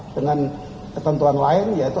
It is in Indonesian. dengan ketentuan lain yaitu